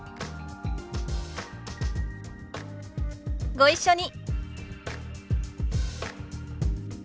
ご一緒に。